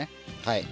はい。